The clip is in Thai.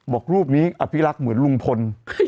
บอกรูปนี้อภิรักษ์เหมือนลุงพล